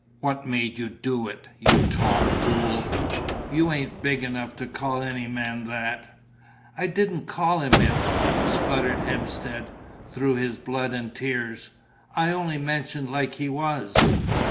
What made you do it, you tomfool? You ain't big enough to call any man that." "I didn't call him it," spluttered Hemstead, through his blood and tears. "I only mentioned like he was."